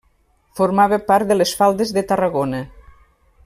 Formava part de les Faldes de Tarragona.